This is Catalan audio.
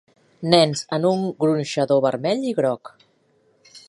Nens en un gronxador vermell i groc.